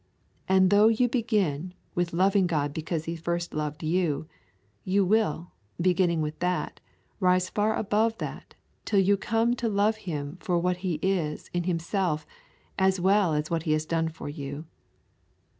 And though you begin with loving God because He first loved you, you will, beginning with that, rise far above that till you come to love Him for what He is in Himself as well as for what He has done for you.